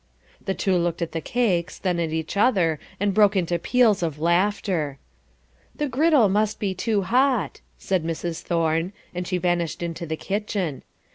The two looked at the cakes, then at each other, and broke into peals of laughter. "The griddle must be too hot," said Mrs. Thorne, and she vanished into the kitchen.